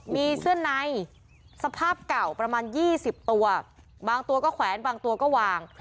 มีเสื้อในสภาพเก่าประมาณ๒๐ตัวบางตัวก็แขวนบางตัวก็วาง